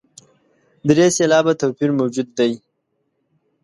درې سېلابه توپیر موجود دی.